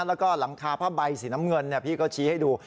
แล้วก็หลังคาผ้าใบสีน้ำเงินพี่ก็ชี้ให้ดู